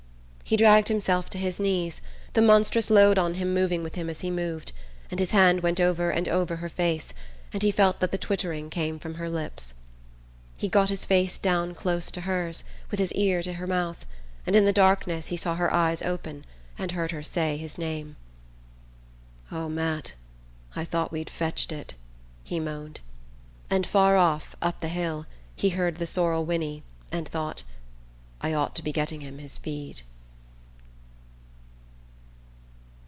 He dragged himself to his knees, the monstrous load on him moving with him as he moved, and his hand went over and over her face, and he felt that the twittering came from her lips... He got his face down close to hers, with his ear to her mouth, and in the darkness he saw her eyes open and heard her say his name. "Oh, Matt, I thought we'd fetched it," he moaned; and far off, up the hill, he heard the sorrel whinny, and thought: "I ought to be getting him his feed..."